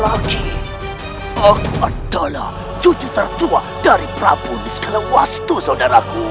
aku adalah cucu tertua dari prabu nisqalawastu saudaraku